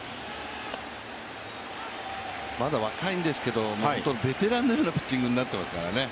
まだ若いんですけど、本当にベテランのようなピッチングになっていますからね。